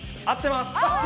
合ってます。